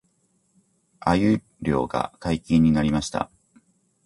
鮎漁が解禁になりました